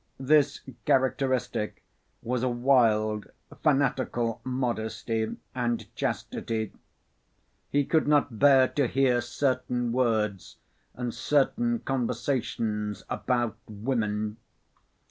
This characteristic was a wild fanatical modesty and chastity. He could not bear to hear certain words and certain conversations about women.